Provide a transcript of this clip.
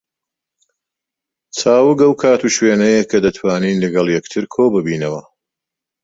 چاوگ ئەو کات و شوێنەیە کە دەتوانین لەگەڵ یەکتر کۆ ببینەوە